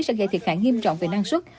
sẽ gây thiệt hại nghiêm trọng về năng suất